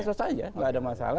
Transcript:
iya biasa saja nggak ada masalah